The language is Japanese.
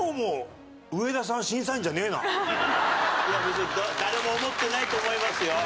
いや別に誰も思ってないと思いますよ